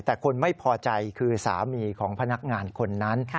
แต่คนไม่พอใจคือสามีของพนักงานคนนั้น